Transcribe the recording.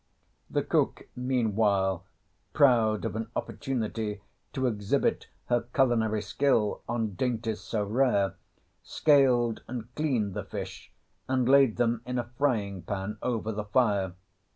] The cook meanwhile, proud of an opportunity to exhibit her culinary skill on dainties so rare, scaled and cleaned the fish and laid them in a frying pan over the fire.